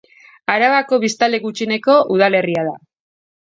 Arabako biztanle gutxieneko udalerria da.